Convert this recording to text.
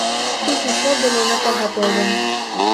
Тут усё было напагатове.